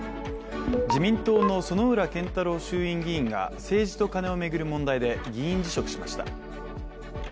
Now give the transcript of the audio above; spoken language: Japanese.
自民党の薗浦健太郎衆院議員が政治とカネを巡る問題で議員辞職しました。